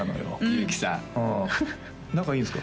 うん仲いいんですか？